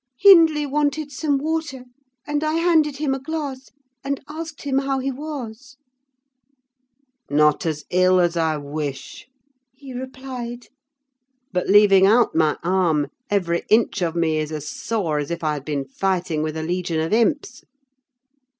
Hindley wanted some water, and I handed him a glass, and asked him how he was. "'Not as ill as I wish,' he replied. 'But leaving out my arm, every inch of me is as sore as if I had been fighting with a legion of imps!